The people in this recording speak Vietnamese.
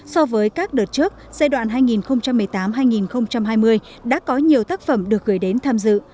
so với các đợt trước giai đoạn hai nghìn một mươi tám hai nghìn hai mươi đã có nhiều tác phẩm được gửi đến tham dự